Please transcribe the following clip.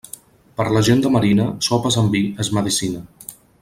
Per la gent de marina, sopes amb vi és medecina.